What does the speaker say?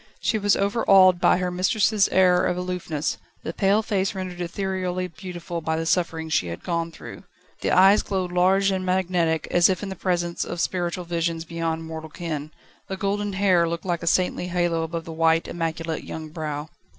She was overawed by her mistress' air of aloofness, the pale face rendered ethereally beautiful by the sufferings she had gone through. The eyes glowed large and magnetic, as if in presence of spiritual visions beyond mortal ken; the golden hair looked like a saintly halo above the white, immaculate young brow.